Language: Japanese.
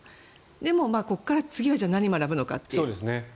でも、ここから次はじゃあ何を学ぶのかという。